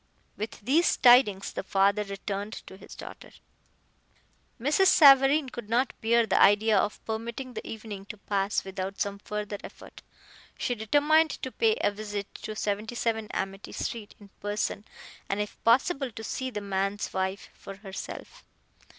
With these tidings the father returned to his daughter. Mrs. Savareen could not bear the idea of permitting the evening to pass without some further effort. She determined to pay a visit to 77 Amity street, in person, and if possible to see the man's wife for herself.